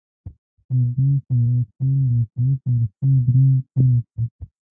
د دوست محمد خان پاچاهۍ په وروستیو دریو کالو کې.